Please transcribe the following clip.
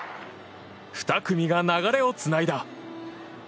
２組が流れをつないだ。